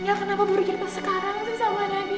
nya kenapa burukin pas sekarang sih sama nadia